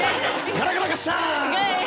ガラガラガッシャン！